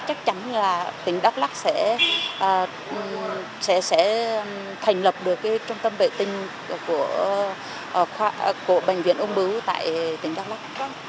chắc chắn là tỉnh đắk lắc sẽ thành lập được trung tâm vệ tinh của bệnh viện ung bứu tại tỉnh đắk lắc